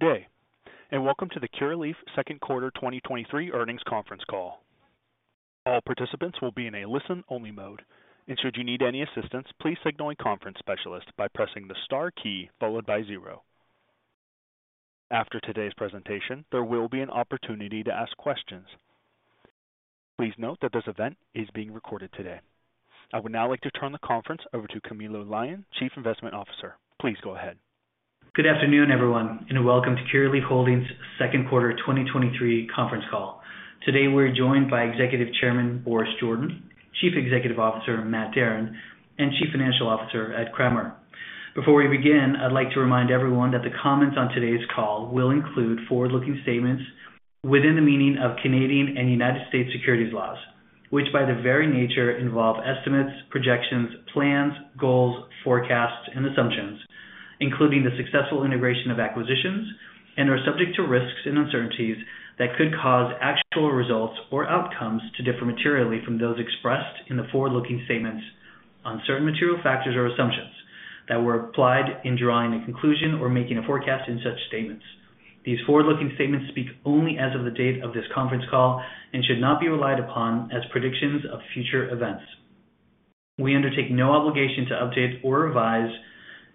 Good day, welcome to the Curaleaf Second Quarter 2023 Earnings Conference Call. All participants will be in a listen-only mode, and should you need any assistance, please signal a conference specialist by pressing the star key followed by zero. After today's presentation, there will be an opportunity to ask questions. Please note that this event is being recorded today. I would now like to turn the conference over to Camilo Lyon, Chief Investment Officer. Please go ahead. Good afternoon, everyone, and welcome to Curaleaf Holdings Second Quarter 2023 conference call. Today, we're joined by Executive Chairman, Boris Jordan, Chief Executive Officer, Matt Darin, and Chief Financial Officer, Ed Kremer. Before we begin, I'd like to remind everyone that the comments on today's call will include forward-looking statements within the meaning of Canadian and United States securities laws, which by their very nature, involve estimates, projections, plans, goals, forecasts, and assumptions, including the successful integration of acquisitions and are subject to risks and uncertainties that could cause actual results or outcomes to differ materially from those expressed in the forward-looking statements on certain material factors or assumptions that were applied in drawing a conclusion or making a forecast in such statements. These forward-looking statements speak only as of the date of this conference call and should not be relied upon as predictions of future events. We undertake no obligation to update or revise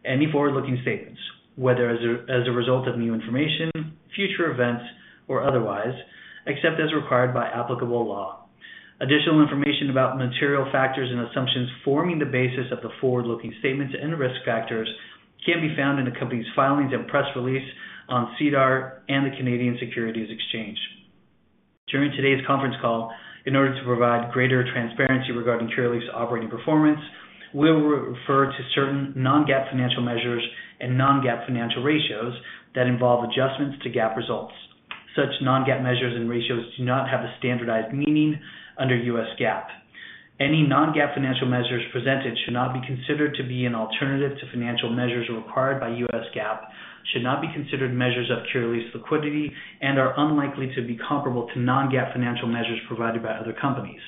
any forward-looking statements, whether as a, as a result of new information, future events, or otherwise, except as required by applicable law. Additional information about material factors and assumptions forming the basis of the forward-looking statements and risk factors can be found in the company's filings and press release on SEDAR and the Canadian Securities Exchange. During today's conference call, in order to provide greater transparency regarding Curaleaf's operating performance, we will refer to certain non-GAAP financial measures and non-GAAP financial ratios that involve adjustments to GAAP results. Such non-GAAP measures and ratios do not have a standardized meaning under U.S. GAAP. Any non-GAAP financial measures presented should not be considered to be an alternative to financial measures required by U.S. GAAP, should not be considered measures of Curaleaf's liquidity, and are unlikely to be comparable to non-GAAP financial measures provided by other companies.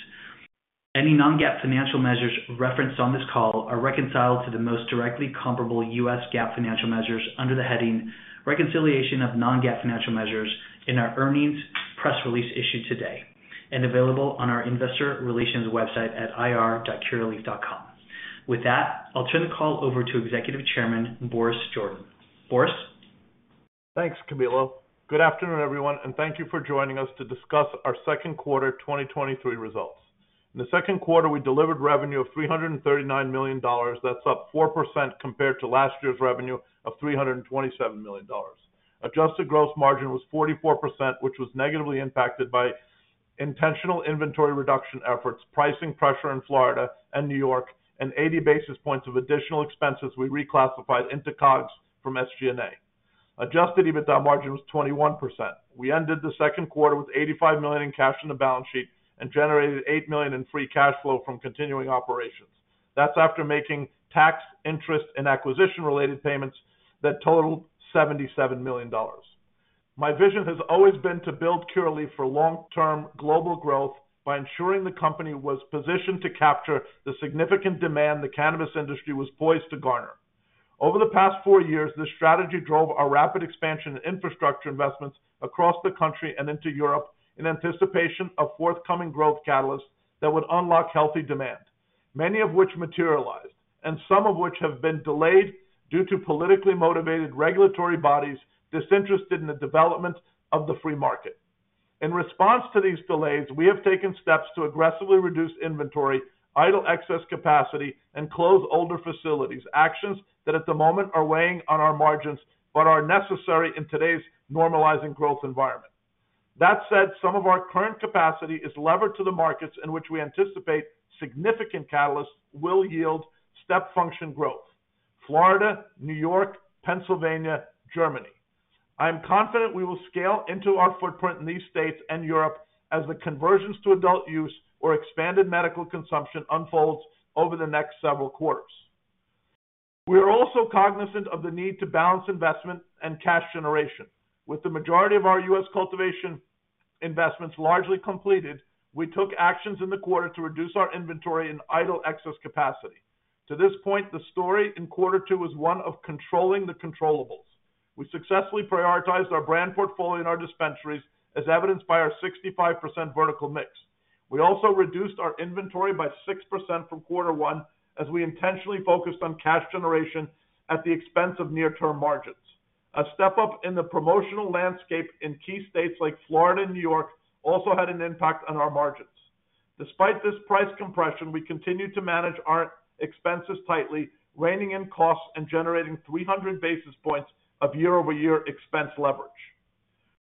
Any non-GAAP financial measures referenced on this call are reconciled to the most directly comparable U.S. GAAP financial measures under the heading Reconciliation of Non-GAAP Financial Measures in our earnings press release issued today, and available on our investor relations website at ir.curaleaf.com. With that, I'll turn the call over to Executive Chairman, Boris Jordan. Boris? Thanks, Camilo. Good afternoon, everyone, and thank you for joining us to discuss our second quarter 2023 results. In the second quarter, we delivered revenue of $339 million. That's up 4% compared to last year's revenue of $327 million. Adjusted gross margin was 44%, which was negatively impacted by intentional inventory reduction efforts, pricing pressure in Florida and New York, and 80 basis points of additional expenses we reclassified into COGS from SG&A. Adjusted EBITDA margin was 21%. We ended the second quarter with $85 million in cash on the balance sheet and generated $8 million in free cash flow from continuing operations. That's after making tax, interest, and acquisition-related payments that totaled $77 million. My vision has always been to build Curaleaf for long-term global growth by ensuring the company was positioned to capture the significant demand the cannabis industry was poised to garner. Over the past four years, this strategy drove a rapid expansion in infrastructure investments across the country and into Europe in anticipation of forthcoming growth catalysts that would unlock healthy demand, many of which materialized, and some of which have been delayed due to politically motivated regulatory bodies disinterested in the development of the free market. In response to these delays, we have taken steps to aggressively reduce inventory, idle excess capacity, and close older facilities, actions that at the moment are weighing on our margins but are necessary in today's normalizing growth environment. That said, some of our current capacity is levered to the markets in which we anticipate significant catalysts will yield step function growth. Florida, New York, Pennsylvania, Germany. I am confident we will scale into our footprint in these states and Europe as the conversions to adult use or expanded medical consumption unfolds over the next several quarters. We are also cognizant of the need to balance investment and cash generation. With the majority of our U.S. cultivation investments largely completed, we took actions in the quarter to reduce our inventory and idle excess capacity. To this point, the story in quarter two is one of controlling the controllables. We successfully prioritized our brand portfolio in our dispensaries, as evidenced by our 65% vertical mix. We also reduced our inventory by 6% from quarter one, as we intentionally focused on cash generation at the expense of near-term margins. A step up in the promotional landscape in key states like Florida and New York also had an impact on our margins. Despite this price compression, we continued to manage our expenses tightly, reining in costs and generating 300 basis points of year-over-year expense leverage.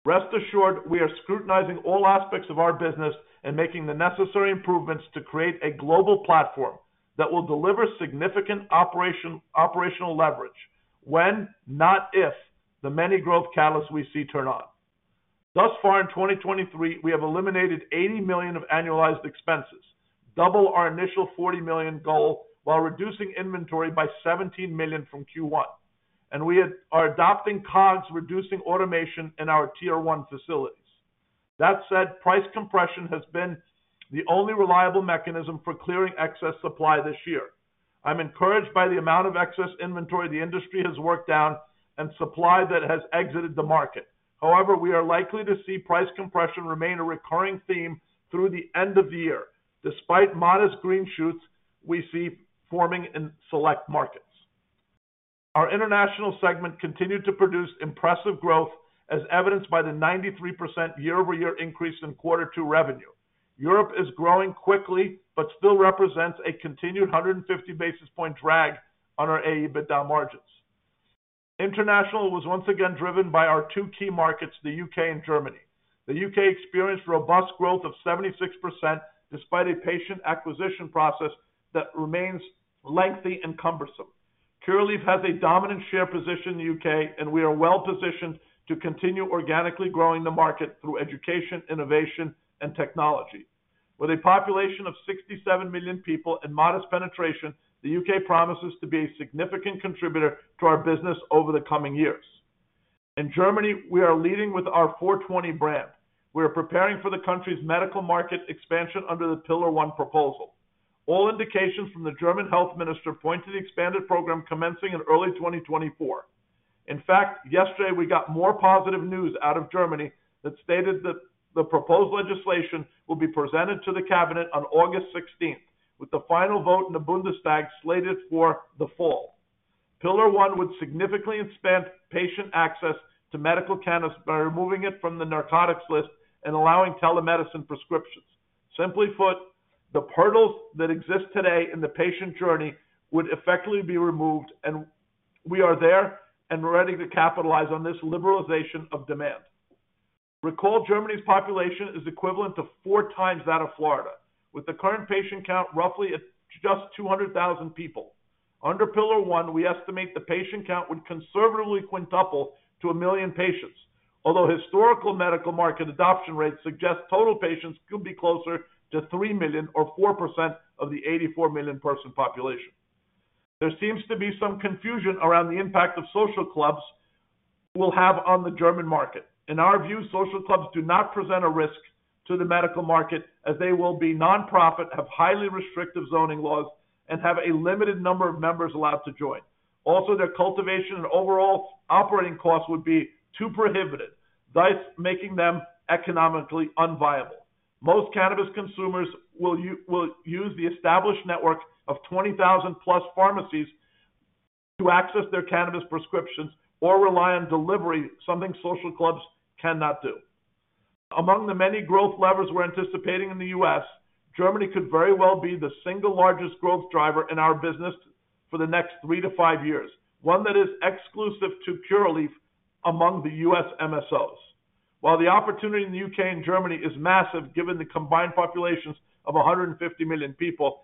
Rest assured, we are scrutinizing all aspects of our business and making the necessary improvements to create a global platform that will deliver significant operation, operational leverage when, not if, the many growth catalysts we see turn on. Thus far in 2023, we have eliminated $80 million of annualized expenses, double our initial $40 million goal, while reducing inventory by $17 million from Q1. We are adopting COGS, reducing automation in our Tier 1 facilities. That said, price compression has been the only reliable mechanism for clearing excess supply this year. I'm encouraged by the amount of excess inventory the industry has worked down, and supply that has exited the market. However, we are likely to see price compression remain a recurring theme through the end of the year, despite modest green shoots we see forming in Select markets. Our international segment continued to produce impressive growth, as evidenced by the 93% year-over-year increase in quarter two revenue. Europe is growing quickly, but still represents a continued 150 basis point drag on our AE EBITDA margins. International was once again driven by our two key markets, the U.K. and Germany. The U.K. experienced robust growth of 76%, despite a patient acquisition process that remains lengthy and cumbersome. Curaleaf has a dominant share position in the U.K., and we are well-positioned to continue organically growing the market through education, innovation, and technology. With a population of 67 million people and modest penetration, the U.K. promises to be a significant contributor to our business over the coming years. In Germany, we are leading with our Four 20 brand. We are preparing for the country's medical market expansion under the Pillar 1 proposal. All indications from the German health minister point to the expanded program commencing in early 2024. In fact, yesterday, we got more positive news out of Germany that stated that the proposed legislation will be presented to the cabinet on August 16th, with the final vote in the Bundestag slated for the fall. Pillar 1 would significantly expand patient access to medical cannabis by removing it from the narcotics list and allowing telemedicine prescriptions. Simply put, the hurdles that exist today in the patient journey would effectively be removed, and we are there and ready to capitalize on this liberalization of demand. Recall, Germany's population is equivalent to four times that of Florida, with the current patient count roughly at just 200,000 people. Under Pillar 1, we estimate the patient count would conservatively quintuple to 1 million patients, although historical medical market adoption rates suggest total patients could be closer to 3 million or 4% of the 84 million person population. There seems to be some confusion around the impact social clubs will have on the German market. In our view, social clubs do not present a risk to the medical market as they will be nonprofit, have highly restrictive zoning laws, and have a limited number of members allowed to join. Also, their cultivation and overall operating costs would be too prohibitive, thus making them economically unviable. Most cannabis consumers will use the established network of 20,000 plus pharmacies to access their cannabis prescriptions or rely on delivery, something social clubs cannot do. Among the many growth levers we're anticipating in the U.S., Germany could very well be the single largest growth driver in our business for the next three to five years, one that is exclusive to Curaleaf among the U.S. MSOs. While the opportunity in the U.K. and Germany is massive, given the combined populations of 150 million people,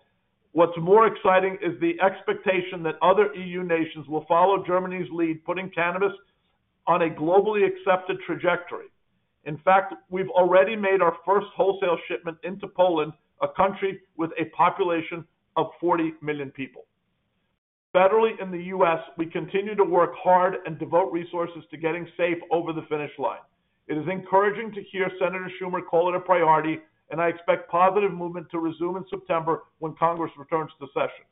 what's more exciting is the expectation that other EU nations will follow Germany's lead, putting cannabis on a globally accepted trajectory. In fact, we've already made our first wholesale shipment into Poland, a country with a population of 40 million people. Federally in the U.S., we continue to work hard and devote resources to getting SAFE over the finish line. It is encouraging to hear Senator Schumer call it a priority. I expect positive movement to resume in September when Congress returns to session.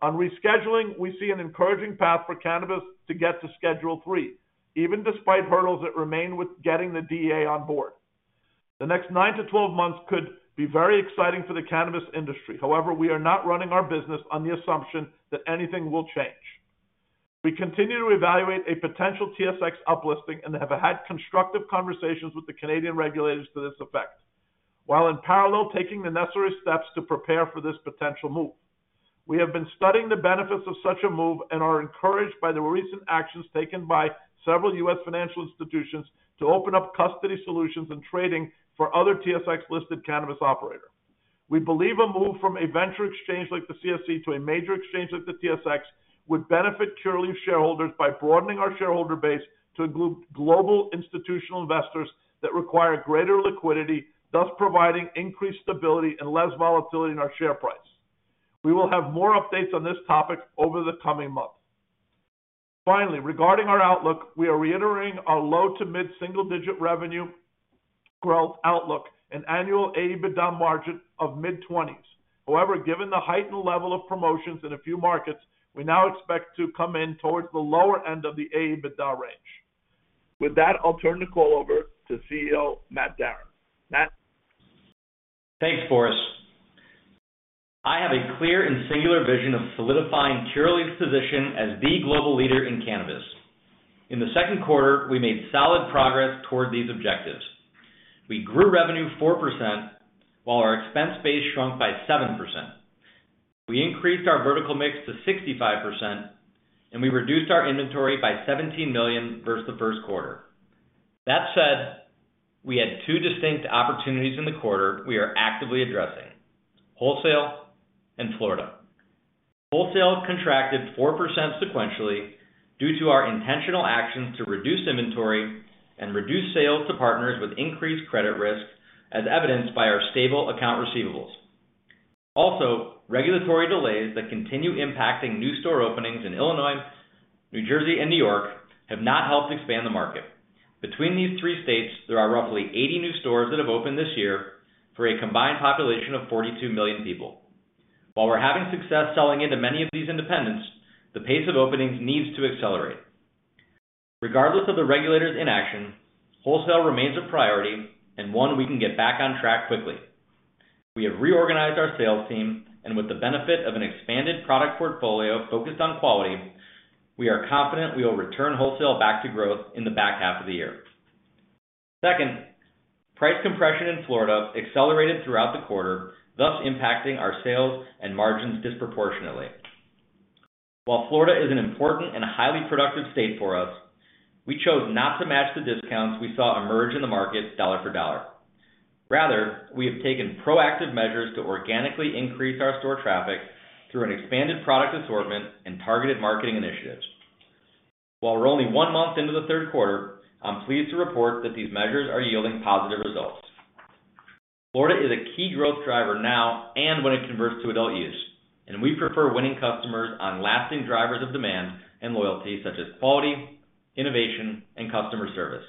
On rescheduling, we see an encouraging path for cannabis to get to Schedule III, even despite hurdles that remain with getting the DEA on board. The next nine to 12 months could be very exciting for the cannabis industry. However, we are not running our business on the assumption that anything will change. We continue to evaluate a potential TSX up listing and have had constructive conversations with the Canadian regulators to this effect, while in parallel, taking the necessary steps to prepare for this potential move. We have been studying the benefits of such a move and are encouraged by the recent actions taken by several U.S. financial institutions to open up custody solutions and trading for other TSX-listed cannabis operator. We believe a move from a venture exchange like the CSE to a major exchange like the TSX would benefit Curaleaf shareholders by broadening our shareholder base to global institutional investors that require greater liquidity, thus, providing increased stability and less volatility in our share price. We will have more updates on this topic over the coming months. Finally, regarding our outlook, we are reiterating our low to mid-single-digit revenue growth outlook and annual AE EBITDA margin of mid-20s%. Given the heightened level of promotions in a few markets, we now expect to come in towards the lower end of the AE EBITDA range. With that, I'll turn the call over to CEO, Matt Darin. Matt? Thanks, Boris. I have a clear and singular vision of solidifying Curaleaf's position as the global leader in cannabis. In the second quarter, we made solid progress toward these objectives. We grew revenue 4%, while our expense base shrunk by 7%. We increased our vertical mix to 65%, and we reduced our inventory by $17 million versus the first quarter. That said, we had two distinct opportunities in the quarter we are actively addressing: wholesale and Florida. Wholesale contracted 4% sequentially due to our intentional actions to reduce inventory and reduce sales to partners with increased credit risk, as evidenced by our stable account receivables. Regulatory delays that continue impacting new store openings in Illinois, New Jersey, and New York have not helped expand the market. Between these three states, there are roughly 80 new stores that have opened this year for a combined population of 42 million people. While we're having success selling into many of these independents, the pace of openings needs to accelerate. Regardless of the regulators' inaction, wholesale remains a priority and one we can get back on track quickly. We have reorganized our sales team, and with the benefit of an expanded product portfolio focused on quality, we are confident we will return wholesale back to growth in the back half of the year. Second, price compression in Florida accelerated throughout the quarter, thus impacting our sales and margins disproportionately. While Florida is an important and highly productive state for us, we chose not to match the discounts we saw emerge in the market dollar for dollar. Rather, we have taken proactive measures to organically increase our store traffic through an expanded product assortment and targeted marketing initiatives. While we're only one month into the third quarter, I'm pleased to report that these measures are yielding positive results. Florida is a key growth driver now and when it converts to adult use, and we prefer winning customers on lasting drivers of demand and loyalty, such as quality, innovation, and customer service.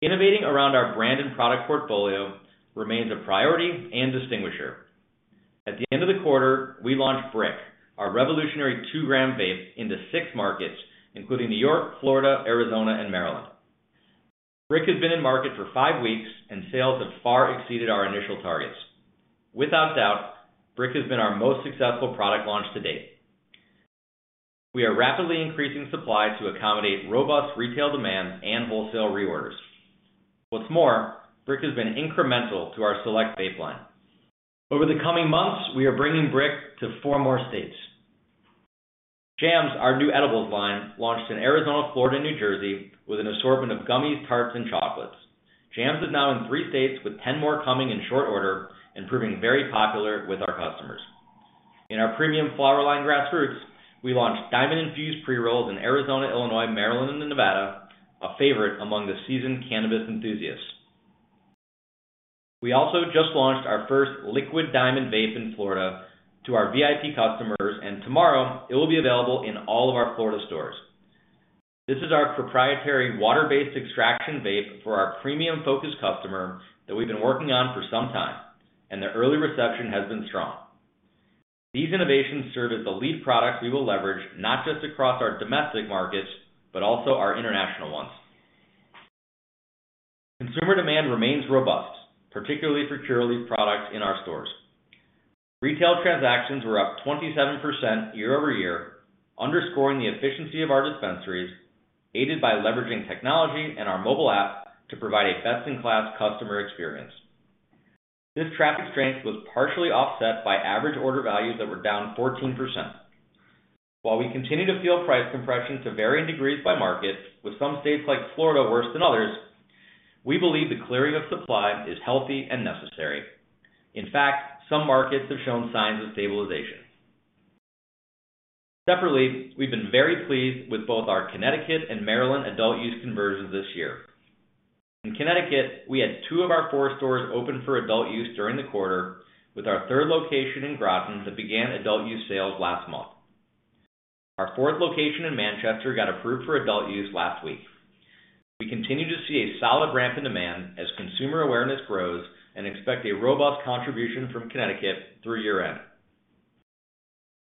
Innovating around our brand and product portfolio remains a priority and distinguisher. At the end of the quarter, we launched Briq, our revolutionary two-gram vape, into six markets, including New York, Florida, Arizona, and Maryland. Briq has been in market for five weeks, and sales have far exceeded our initial targets. Without doubt, Briq has been our most successful product launch to date. We are rapidly increasing supply to accommodate robust retail demand and wholesale reorders. What's more, Briq has been incremental to our Select vape line. Over the coming months, we are bringing Briq to four more states. JAMS, our new edibles line, launched in Arizona, Florida, New Jersey with an assortment of gummies, tarts, and chocolates. JAMS is now in three states, with 10 more coming in short order and proving very popular with our customers. In our premium flower line, Grassroots, we launched diamond-infused pre-rolls in Arizona, Illinois, Maryland, and Nevada, a favorite among the seasoned cannabis enthusiasts. We also just launched our first Liquid Diamonds vape in Florida to our VIP customers, and tomorrow, it will be available in all of our Florida stores. This is our proprietary water-based extraction vape for our premium-focused customer that we've been working on for some time, and the early reception has been strong. These innovations serve as the lead products we will leverage, not just across our domestic markets, but also our international ones. Consumer demand remains robust, particularly for Curaleaf products in our stores. Retail transactions were up 27% year-over-year, underscoring the efficiency of our dispensaries, aided by leveraging technology and our mobile app to provide a best-in-class customer experience. This traffic strength was partially offset by average order values that were down 14%. While we continue to feel price compression to varying degrees by market, with some states like Florida worse than others, we believe the clearing of supply is healthy and necessary. In fact, some markets have shown signs of stabilization. Separately, we've been very pleased with both our Connecticut and Maryland adult use conversions this year. In Connecticut, we had two of our four stores open for adult use during the quarter, with our third location in Groton that began adult use sales last month. Our fourth location in Manchester got approved for adult use last week. We continue to see a solid ramp in demand as consumer awareness grows, and expect a robust contribution from Connecticut through year-end.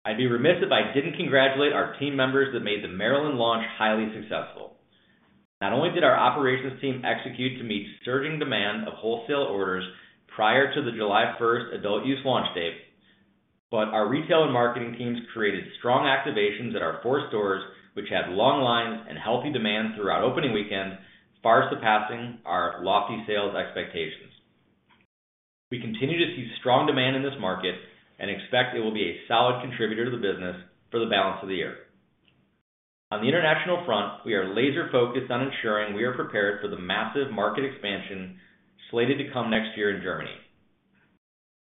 I'd be remiss if I didn't congratulate our team members that made the Maryland launch highly successful. Not only did our operations team execute to meet surging demand of wholesale orders prior to the July 1st adult use launch date, but our retail and marketing teams created strong activations at our four stores, which had long lines and healthy demand throughout opening weekend, far surpassing our lofty sales expectations. We continue to see strong demand in this market and expect it will be a solid contributor to the business for the balance of the year. On the international front, we are laser-focused on ensuring we are prepared for the massive market expansion slated to come next year in Germany.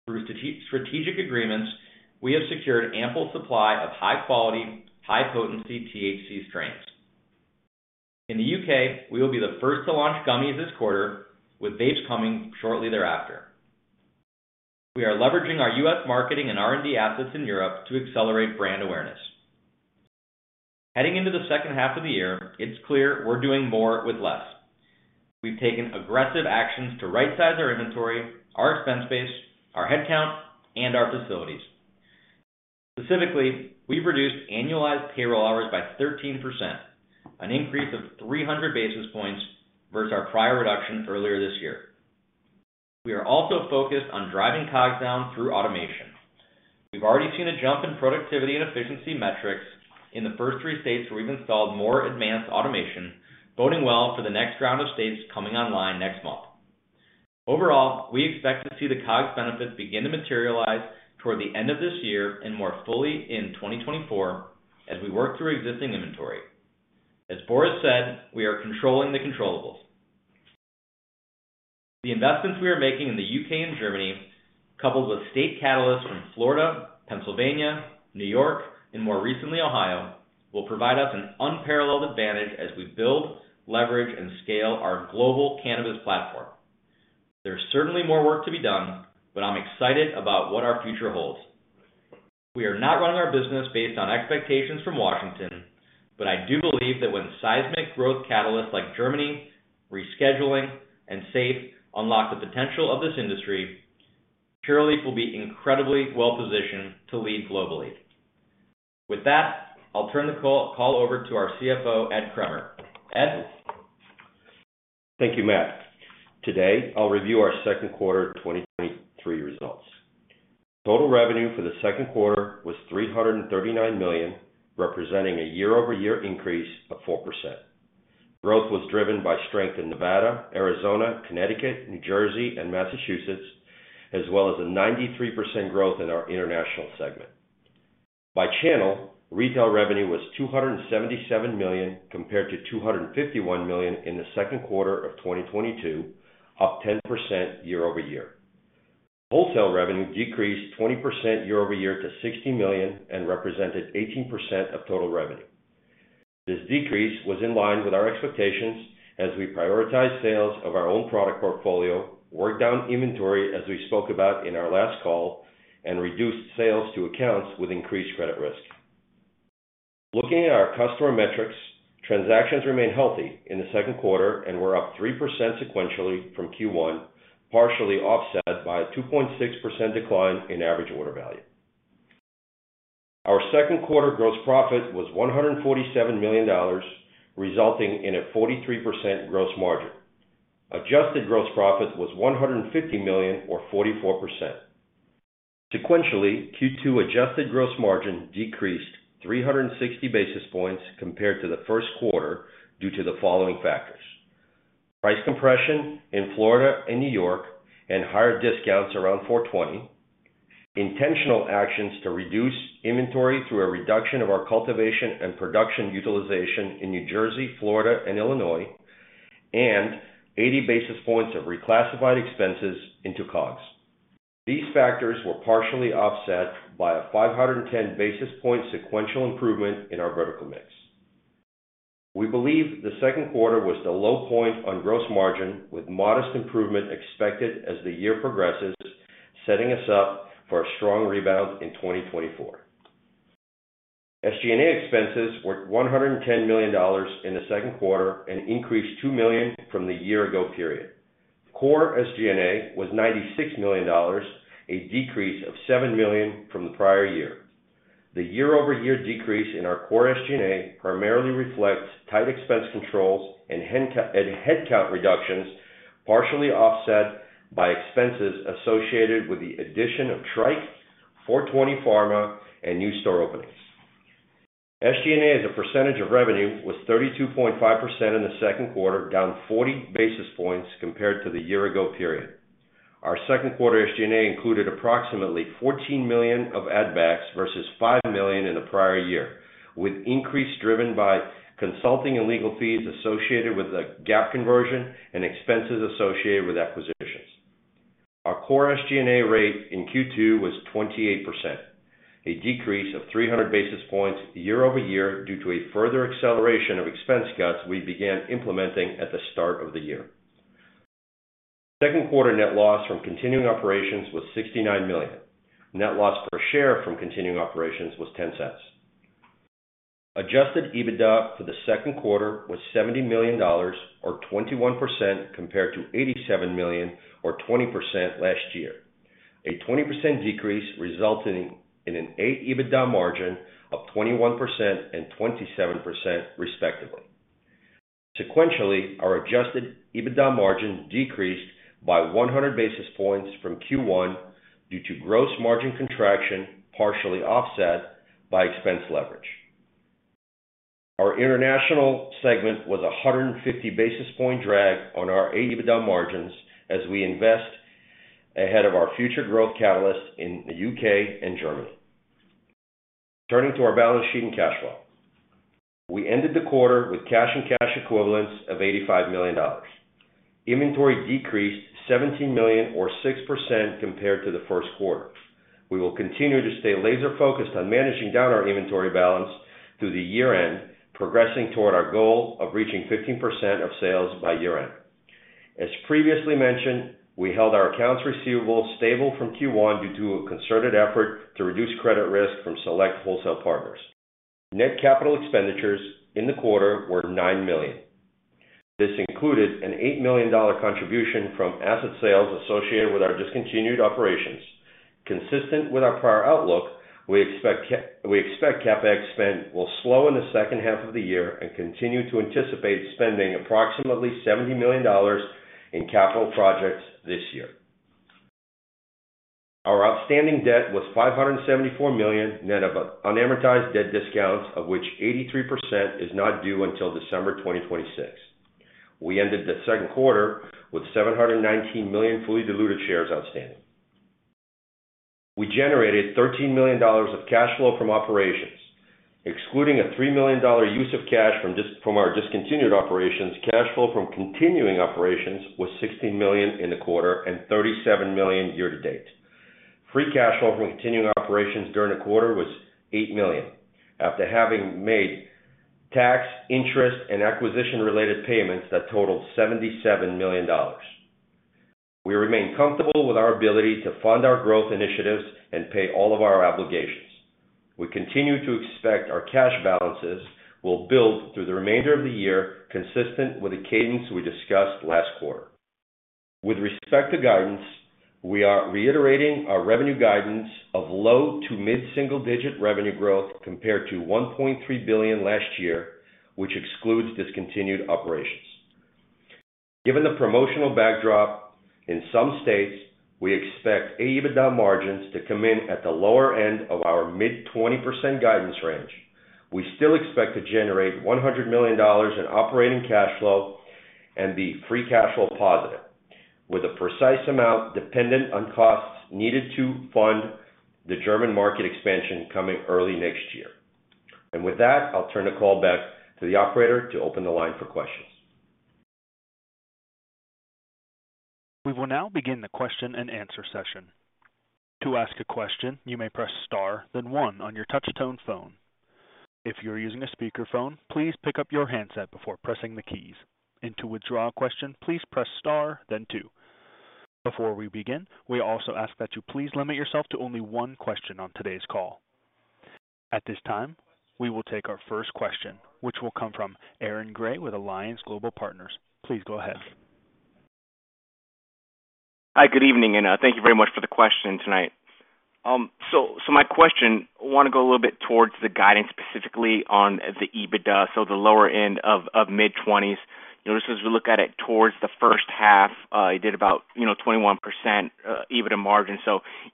Through strategic agreements, we have secured ample supply of high quality, high potency THC strains. In the U.K., we will be the first to launch gummies this quarter, with vapes coming shortly thereafter. We are leveraging our U.S. marketing and R&D assets in Europe to accelerate brand awareness. Heading into the second half of the year, it's clear we're doing more with less. We've taken aggressive actions to rightsize our inventory, our expense base, our headcount, and our facilities. Specifically, we've reduced annualized payroll hours by 13%, an increase of 300 basis points versus our prior reduction earlier this year. We are also focused on driving COGS down through automation. We've already seen a jump in productivity and efficiency metrics in the first three states where we've installed more advanced automation, boding well for the next round of states coming online next month. Overall, we expect to see the COGS benefits begin to materialize toward the end of this year and more fully in 2024, as we work through existing inventory. As Boris said, we are controlling the controllables. The investments we are making in the U.K. and Germany, coupled with state catalysts from Florida, Pennsylvania, New York, and more recently, Ohio, will provide us an unparalleled advantage as we build, leverage, and scale our global cannabis platform. There's certainly more work to be done, but I'm excited about what our future holds. We are not running our business based on expectations from Washington, I do believe that when seismic growth catalysts like Germany, rescheduling, and SAFE unlock the potential of this industry, Curaleaf will be incredibly well-positioned to lead globally. With that, I'll turn the call over to our CFO, Ed Kremer. Ed? Thank you, Matt. Today, I'll review our second quarter 2023 results. Total revenue for the second quarter was $339 million, representing a year-over-year increase of 4%. Growth was driven by strength in Nevada, Arizona, Connecticut, New Jersey, and Massachusetts, as well as a 93% growth in our international segment. By channel, retail revenue was $277 million, compared to $251 million in the second quarter of 2022, up 10% year-over-year. Wholesale revenue decreased 20% year-over-year to $60 million, and represented 18% of total revenue. This decrease was in line with our expectations as we prioritize sales of our own product portfolio, work down inventory as we spoke about in our last call, and reduced sales to accounts with increased credit risk. Looking at our customer metrics, transactions remained healthy in the second quarter and were up 3% sequentially from Q1, partially offset by a 2.6% decline in average order value. Our second quarter gross profit was $147 million, resulting in a 43% gross margin. Adjusted gross profit was $150 million, or 44%. Sequentially, Q2 adjusted gross margin decreased 360 basis points compared to the first quarter due to the following factors: price compression in Florida and New York and higher discounts around Four 20, intentional actions to reduce inventory through a reduction of our cultivation and production utilization in New Jersey, Florida, and Illinois, and 80 basis points of reclassified expenses into COGS. These factors were partially offset by a 510 basis point sequential improvement in our vertical mix. We believe the second quarter was the low point on gross margin, with modest improvement expected as the year progresses, setting us up for a strong rebound in 2024. SG&A expenses were $110 million in the second quarter and increased $2 million from the year ago period. Core SG&A was $96 million, a decrease of $7 million from the prior year. The year-over-year decrease in our core SG&A primarily reflects tight expense controls and headcount reductions, partially offset by expenses associated with the addition of Tryke, Four 20 Pharma, and new store openings. SG&A, as a percentage of revenue, was 32.5% in the second quarter, down 40 basis points compared to the year ago period. Our second quarter SG&A included approximately $14 million of ad backs, versus $5 million in the prior year, with increase driven by consulting and legal fees associated with the GAAP conversion and expenses associated with acquisitions. Our core SG&A rate in Q2 was 28%, a decrease of 300 basis points year-over-year due to a further acceleration of expense cuts we began implementing at the start of the year. Second quarter net loss from continuing operations was $69 million. Net loss per share from continuing operations was $0.10. Adjusted EBITDA for the second quarter was $70 million or 21% compared to $87 million or 20% last year. A 20% decrease resulting in an eight EBITDA margin of 21% and 27% respectively. Sequentially, our Adjusted EBITDA margin decreased by 100 basis points from Q1 due to gross margin contraction, partially offset by expense leverage. Our international segment was a 150 basis point drag on our EBITDA margins as we invest ahead of our future growth catalyst in the U.K. and Germany. Turning to our balance sheet and cash flow. We ended the quarter with cash and cash equivalents of $85 million. Inventory decreased $17 million or 6% compared to the first quarter. We will continue to stay laser-focused on managing down our inventory balance through the year-end, progressing toward our goal of reaching 15% of sales by year-end. As previously mentioned, we held our accounts receivable stable from Q1 due to a concerted effort to reduce credit risk from Select wholesale partners. Net capital expenditures in the quarter were $9 million. This included an $8 million contribution from asset sales associated with our discontinued operations. Consistent with our prior outlook, we expect CapEx spend will slow in the second half of the year and continue to anticipate spending approximately $70 million in capital projects this year. Our outstanding debt was $574 million, net of unamortized debt discounts, of which 83% is not due until December 2026. We ended the second quarter with 719 million fully diluted shares outstanding. We generated $13 million of cash flow from operations, excluding a $3 million use of cash from our discontinued operations. Cash flow from continuing operations was $16 million in the quarter and $37 million year-to-date. Free cash flow from continuing operations during the quarter was $8 million, after having made tax, interest, and acquisition-related payments that totaled $77 million. We remain comfortable with our ability to fund our growth initiatives and pay all of our obligations. We continue to expect our cash balances will build through the remainder of the year, consistent with the cadence we discussed last quarter. With respect to guidance, we are reiterating our revenue guidance of low to mid-single-digit revenue growth compared to $1.3 billion last year, which excludes discontinued operations. Given the promotional backdrop in some states, we expect EBITDA margins to come in at the lower end of our mid-20% guidance range. We still expect to generate $100 million in operating cash flow and be free cash flow positive, with a precise amount dependent on costs needed to fund the German market expansion coming early next year. With that, I'll turn the call back to the operator to open the line for questions. We will now begin the question and answer session. To ask a question, you may press star, then one on your touch tone phone. If you're using a speakerphone, please pick up your handset before pressing the keys. To withdraw a question, please press star then two. Before we begin, we also ask that you please limit yourself to only one question on today's call. At this time, we will take our first question, which will come from Aaron Grey with Alliance Global Partners. Please go ahead. Hi, good evening, thank you very much for the question tonight. My question, I wanna go a little bit towards the guidance, specifically on the EBITDA, the lower end of mid-20s. You know, this is, as we look at it, towards the first half, you did about, you know, 21% EBITDA margin.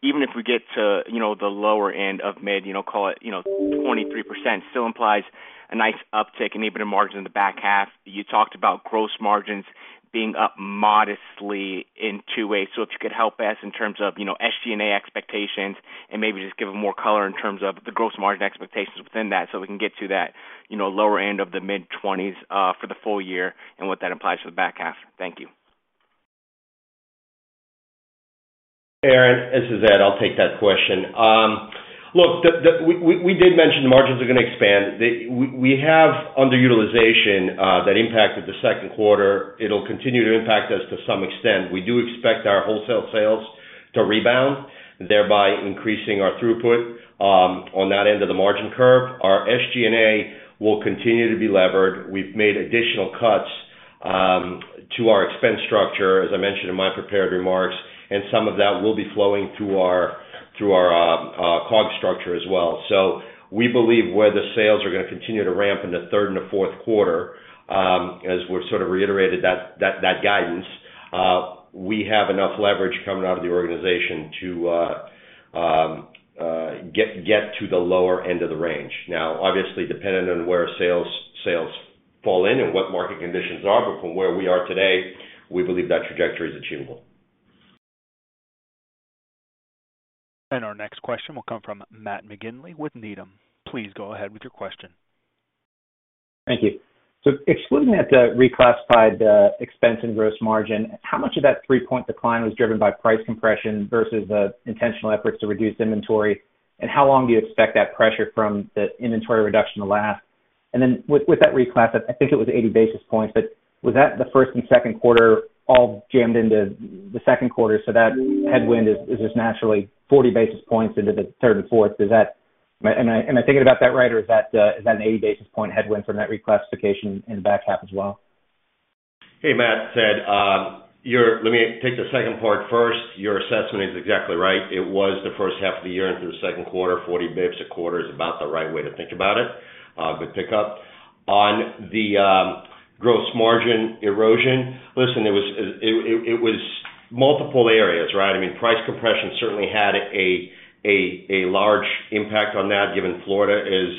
Even if we get to, you know, the lower end of mid, you know, call it, you know, 23%, still implies a nice uptick in EBITDA margin in the back half. You talked about gross margins being up modestly in two ways. If you could help us in terms of, you know, SG&A expectations and maybe just give them more color in terms of the gross margin expectations within that, so we can get to that, you know, lower end of the mid-20s for the full year and what that implies for the back half. Thank you. Aaron, this is Ed. I'll take that question. Look, we did mention the margins are gonna expand. We have underutilization that impacted the second quarter. It'll continue to impact us to some extent. We do expect our wholesale sales to rebound, thereby increasing our throughput on that end of the margin curve. Our SG&A will continue to be levered. We've made additional cuts to our expense structure, as I mentioned in my prepared remarks, and some of that will be flowing through our COGS structure as well. We believe where the sales are gonna continue to ramp in the 3rd and the 4th quarter, as we're sort of reiterated that, that, that guidance, we have enough leverage coming out of the organization to get, get to the lower end of the range. Obviously, depending on where sales, sales fall in and what market conditions are, but from where we are today, we believe that trajectory is achievable. Our next question will come from Matt McGinley with Needham. Please go ahead with your question. Thank you. Excluding that reclassified expense and gross margin, how much of that three-point decline was driven by price compression versus intentional efforts to reduce inventory? How long do you expect that pressure from the inventory reduction to last? With that reclass, I think it was 80 basis points, but was that the first and second quarter all jammed into the second quarter, so that headwind is just naturally 40 basis points into the third and fourth? Am I thinking about that right, or is that an 80 basis point headwind from that reclassification in the back half as well? Hey, Matt, it's Ed. Your, let me take the second part first. Your assessment is exactly right. It was the first half of the year into the second quarter. 40 basis points a quarter is about the right way to think about it, but pick up. On the gross margin erosion, listen, it was multiple areas, right? I mean, price compression certainly had a large impact on that, given Florida is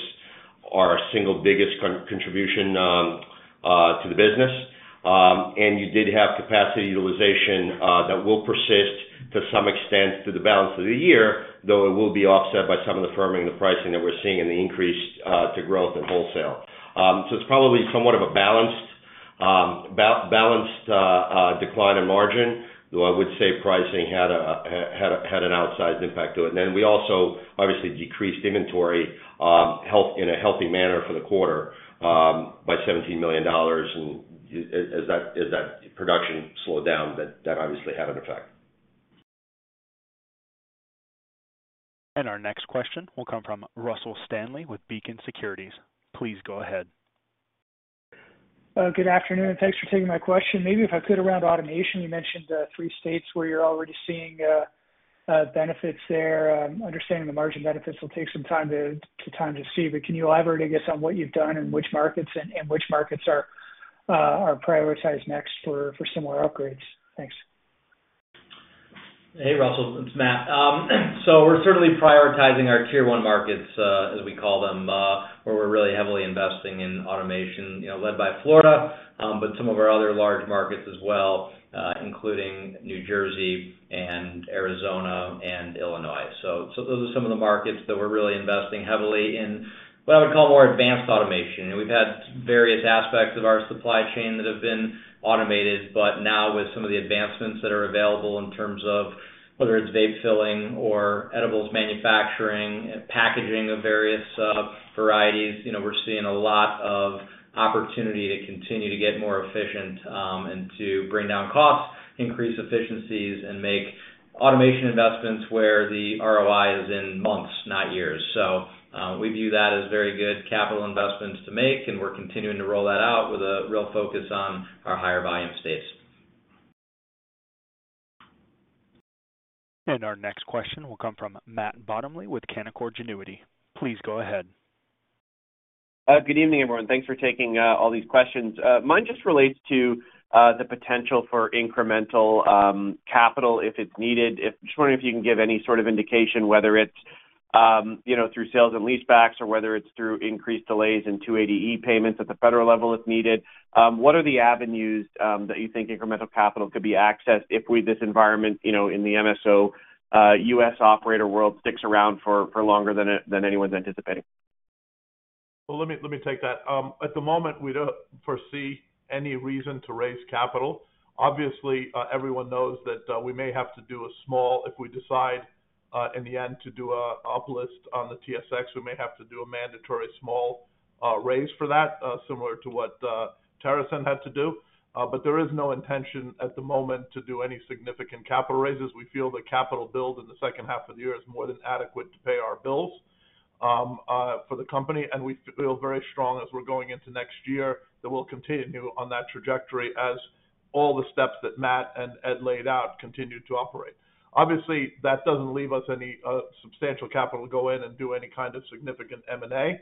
our single biggest contribution to the business. You did have capacity utilization that will persist to some extent through the balance of the year, though it will be offset by some of the firming in the pricing that we're seeing and the increase to growth in wholesale. It's probably somewhat of a balanced, balanced decline in margin, though I would say pricing had an outsized impact to it. We also obviously decreased inventory, health, in a healthy manner for the quarter, by $17 million, and as that production slowed down, that obviously had an effect. Our next question will come from Russell Stanley with Beacon Securities. Please go ahead. Good afternoon. Thanks for taking my question. Maybe if I could, around automation, you mentioned 3 states where you're already seeing benefits there. Understanding the margin benefits will take some time to see, but can you elaborate, I guess, on what you've done and which markets and, which markets are prioritized next for similar upgrades? Thanks. Hey, Russell, it's Matt. We're certainly prioritizing our Tier 1 markets, as we call them, where we're really heavily investing in automation, you know, led by Florida, but some of our other large markets as well, including New Jersey and Arizona and Illinois. Those are some of the markets that we're really investing heavily in, what I would call more advanced automation. We've had various aspects of our supply chain that have been automated, but now with some of the advancements that are available in terms of whether it's vape filling or edibles manufacturing, packaging of various varieties, you know, we're seeing a lot of opportunity to continue to get more efficient and to bring down costs, increase efficiencies, and make automation investments where the ROI is in months, not years. We view that as very good capital investments to make, and we're continuing to roll that out with a real focus on our higher volume states. Our next question will come from Matt Bottomley, with Canaccord Genuity. Please go ahead. Good evening, everyone. Thanks for taking all these questions. Mine just relates to the potential for incremental capital, if it's needed. Just wondering if you can give any sort of indication, whether it's, you know, through sales and leasebacks, or whether it's through increased delays in 280E payments at the federal level, if needed. What are the avenues that you think incremental capital could be accessed if we, this environment, you know, in the MSO, U.S. operator world, sticks around for longer than anyone's anticipating? Well, let me, let me take that. At the moment, we don't foresee any reason to raise capital. Obviously, everyone knows that, we may have to do a small, if we decide, in the end to do a up list on the TSX, we may have to do a mandatory small raise for that, similar to what TerrAscend had to do. There is no intention at the moment to do any significant capital raises. We feel the capital build in the second half of the year is more than adequate to pay our bills for the company, and we feel very strong as we're going into next year, that we'll continue on that trajectory as all the steps that Matt and Ed laid out continue to operate. Obviously, that doesn't leave us any substantial capital to go in and do any kind of significant M&A.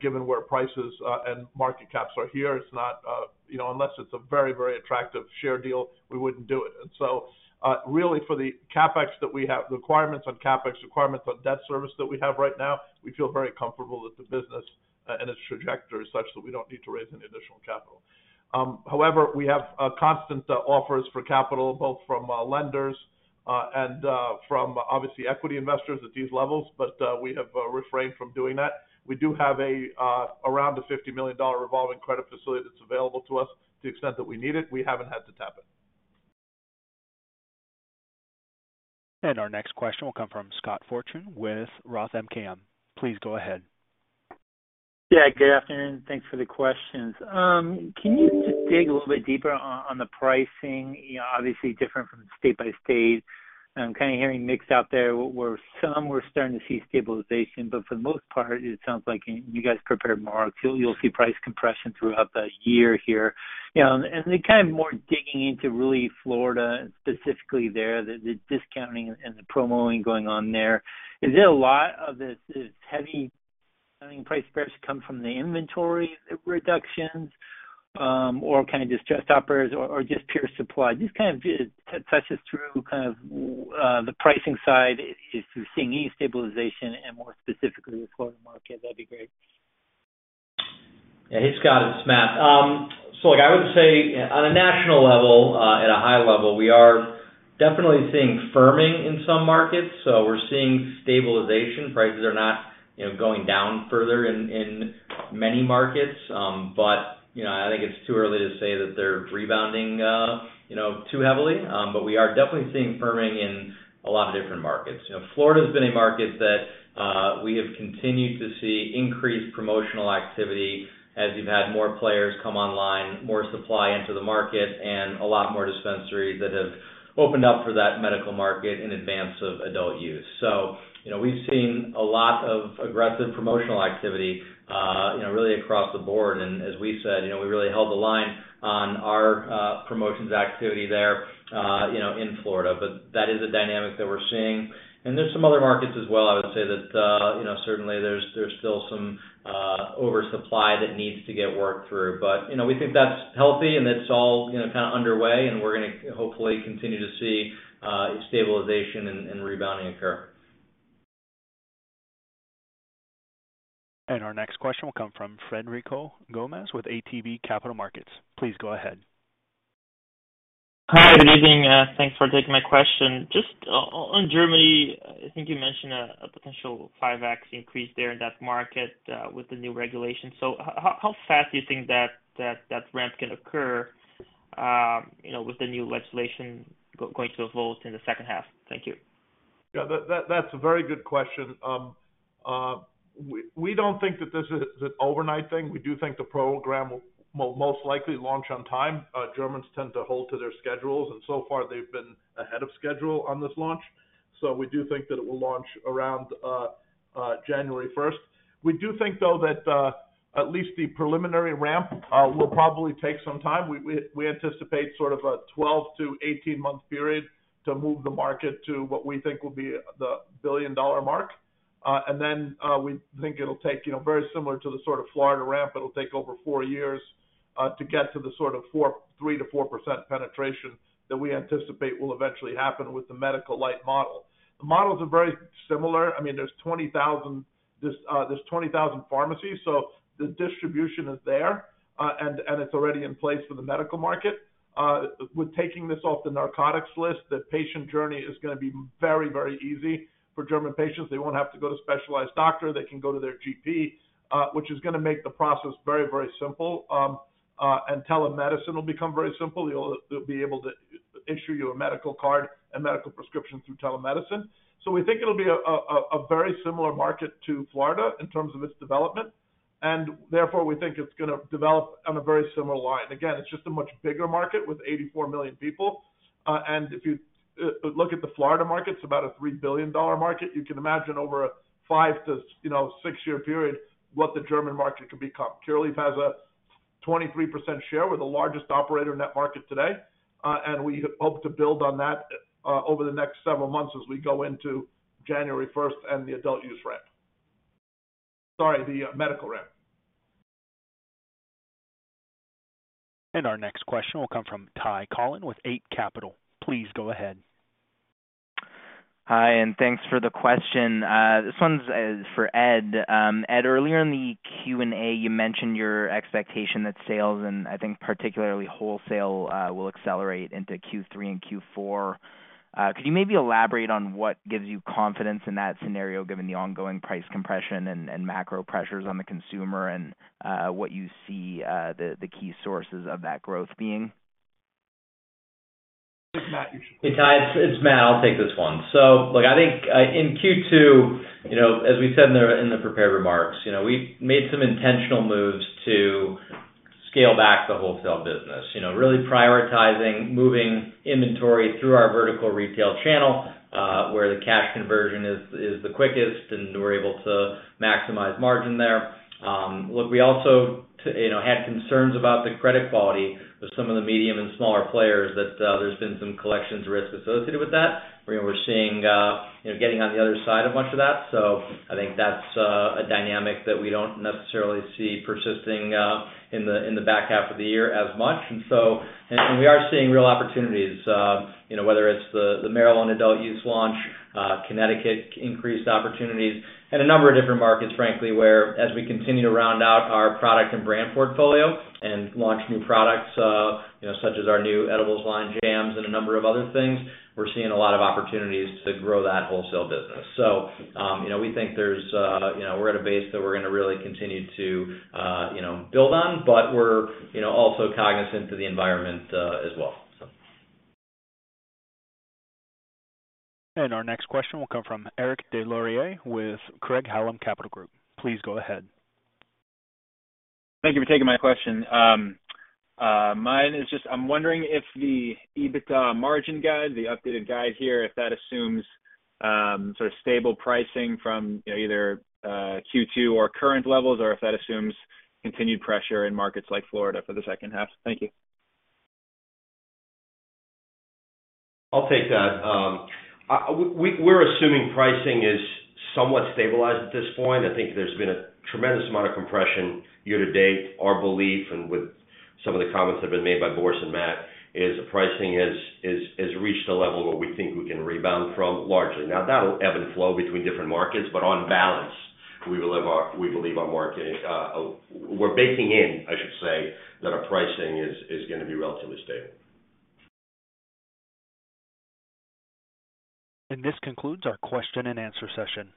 Given where prices and market caps are here, it's not, you know, unless it's a very, very attractive share deal, we wouldn't do it. Really, for the CapEx that we have, the requirements on CapEx, requirements on debt service that we have right now, we feel very comfortable that the business and its trajectory is such that we don't need to raise any additional capital. However, we have constant offers for capital, both from lenders and from obviously, equity investors at these levels, but we have refrained from doing that. We do have around a $50 million revolving credit facility that's available to us to the extent that we need it. We haven't had to tap it. Our next question will come from Scott Fortune, with Roth MKM. Please go ahead. Yeah, good afternoon. Thanks for the questions. Can you just dig a little bit deeper on, on the pricing? You know, obviously different from state by state. I'm kind of hearing mixed out there, where some we're starting to see stabilization, but for the most part, it sounds like you, you guys prepared more. You'll see price compression throughout the year here. You know, and then kind of more digging into really Florida, specifically there, the discounting and the promoting going on there. Is there a lot of this, this heavy, I mean, price pressures come from the inventory reductions, or kind of distressed operators or just pure supply? Just kind of touches through kind of the pricing side, if we're seeing any stabilization and more specifically with Florida market, that'd be great. Yeah. Hey, Scott, it's Matt. Look, I would say on a national level, at a high level, we are definitely seeing firming in some markets, so we're seeing stabilization. Prices are not, you know, going down further in, in many markets, you know, I think it's too early to say that they're rebounding, you know, too heavily. We are definitely seeing firming in a lot of different markets. You know, Florida has been a market that we have continued to see increased promotional activity as we've had more players come online, more supply into the market, and a lot more dispensaries that have opened up for that medical market in advance of adult use. You know, we've seen a lot of aggressive promotional activity, you know, really across the board. As we said, you know, we really held the line on our promotions activity there, you know, in Florida. That is a dynamic that we're seeing. There's some other markets as well, I would say that, you know, certainly there's, there's still some oversupply that needs to get worked through. You know, we think that's healthy, and it's all, you know, kind of underway, and we're gonna hopefully continue to see stabilization and rebounding occur. Our next question will come from Frederico Gomes, with ATB Capital Markets. Please go ahead. Hi, good evening, thanks for taking my question. Just on Germany, I think you mentioned a potential 5x increase there in that market, with the new regulations. How fast do you think that ramp can occur, you know, with the new legislation going to vote in the second half? Thank you. Yeah, that, that, that's a very good question. We, we don't think that this is an overnight thing. We do think the program will most likely launch on time. Germans tend to hold to their schedules, and so far, they've been ahead of schedule on this launch. We do think that it will launch around January 1st. We do think, though, that at least the preliminary ramp will probably take some time. We, we, we anticipate sort of a 12-18 month period to move the market to what we think will be the $1 billion mark. We think it'll take, you know, very similar to the sort of Florida ramp. It'll take over four years. to get to the sort of 4, 3% to 4% penetration that we anticipate will eventually happen with the medical light model. The models are very similar. I mean, there's 20,000, there's, there's 20,000 pharmacies, so the distribution is there, and, and it's already in place for the medical market. With taking this off the narcotics list, the patient journey is gonna be very, very easy for German patients. They won't have to go to a specialized doctor. They can go to their GP, which is gonna make the process very, very simple. Telemedicine will become very simple. They'll, they'll be able to issue you a medical card and medical prescription through telemedicine. We think it'll be a very similar market to Florida in terms of its development, and therefore, we think it's gonna develop on a very similar line. Again, it's just a much bigger market with 84 million people. And if you look at the Florida market, it's about a $3 billion market. You can imagine over a 5 to 6-year period, what the German market could become. Curaleaf has a 23% share. We're the largest operator in that market today, and we hope to build on that over the next several months as we go into January 1st and the adult use ramp. Sorry, the medical ramp. Our next question will come from Ty Collin with Eight Capital. Please go ahead. Hi, thanks for the question. This one's for Ed. Ed, earlier in the Q&A, you mentioned your expectation that sales, and I think particularly wholesale, will accelerate into Q3 and Q4. Could you maybe elaborate on what gives you confidence in that scenario, given the ongoing price compression and macro pressures on the consumer, and what you see the key sources of that growth being? Hey, Ty, it's, it's Matt. I'll take this one. Look, I think in Q2, you know, as we said in the prepared remarks, you know, we made some intentional moves to scale back the wholesale business. You know, really prioritizing, moving inventory through our vertical retail channel, where the cash conversion is, is the quickest, and we're able to maximize margin there. Look, we also You know, had concerns about the credit quality of some of the medium and smaller players, that there's been some collections risk associated with that, where we're seeing, you know, getting on the other side of much of that. I think that's a dynamic that we don't necessarily see persisting in the back half of the year as much. We are seeing real opportunities, you know, whether it's the, the Maryland adult use launch, Connecticut increased opportunities and a number of different markets, frankly, where as we continue to round out our product and brand portfolio and launch new products, you know, such as our new edibles line, JAMS, and a number of other things, we're seeing a lot of opportunities to grow that wholesale business. We think there's, you know, we're at a base that we're gonna really continue to, you know, build on, but we're, you know, also cognizant of the environment as well, so. Our next question will come from Eric Deslauriers with Craig-Hallum Capital Group. Please go ahead. Thank you for taking my question. I'm wondering if the EBITDA margin guide, the updated guide here, if that assumes sort of stable pricing from, you know, either Q2 or current levels, or if that assumes continued pressure in markets like Florida for the second half. Thank you. I'll take that. We, we're assuming pricing is somewhat stabilized at this point. I think there's been a tremendous amount of compression year to date. Our belief, and with some of the comments that have been made by Boris and Matt, is the pricing has reached a level where we think we can rebound from largely. That'll ebb and flow between different markets, but on balance, we believe our, we believe our market, we're baking in, I should say, that our pricing is gonna be relatively stable. This concludes our question and answer session.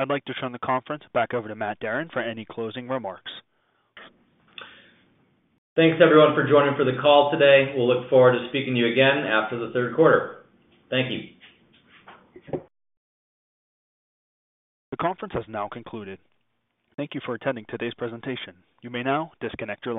I'd like to turn the conference back over to Matt Darin for any closing remarks. Thanks, everyone, for joining for the call today. We'll look forward to speaking to you again after the third quarter. Thank you. The conference has now concluded. Thank you for attending today's presentation. You may now disconnect your line.